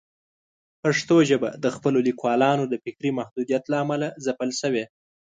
پښتو ژبه د خپلو لیکوالانو د فکري محدودیت له امله ځپل شوې.